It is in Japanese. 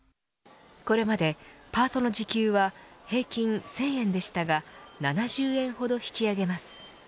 これまでパートの時給は平均１０００円でしたが７０円ほど引き上げます。